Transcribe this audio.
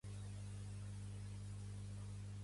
En altres divisions usades Abruços és part del centre.